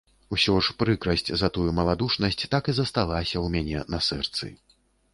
Усё ж прыкрасць за тую маладушнасць так і засталася ў мяне на сэрцы.